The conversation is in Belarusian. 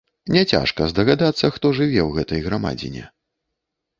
Няцяжка здагадацца, хто жыве ў гэтай грамадзіне.